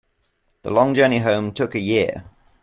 The long journey home took a year.